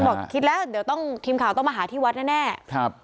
บอกคิดแล้วเดี๋ยวต้องทีมข่าวต้องมาหาที่วัดแน่แน่ครับ